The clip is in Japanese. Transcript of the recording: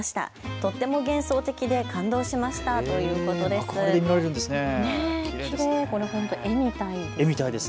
とっても幻想的で感動しましたということです。